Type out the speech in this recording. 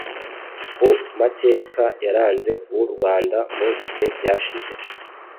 ku mateka yaranze u rwanda mu bihe byashize